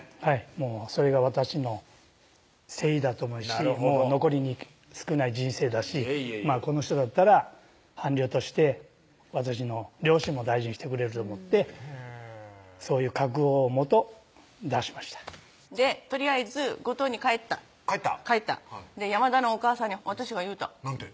もうそれが私の誠意だと思い残り少ない人生だしこの人だったら伴侶として私の両親も大事にしてくれると思ってそういう覚悟のもと出しましたでとりあえず五島に帰った帰った山田のおかあさんに私が言うた何て？